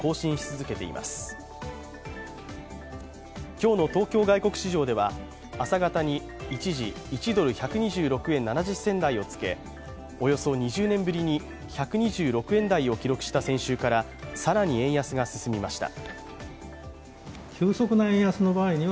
今日の東京外国市場では朝方に一時１ドル＝１２６円７０銭台をつけおよそ２０年ぶりに１２６円台を記録した先週から更に円安が進みました。